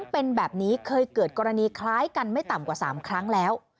เป็นแบบนี้เคยเกิดกรณีคล้ายกันไม่ต่ำกว่า๓ครั้งแล้ว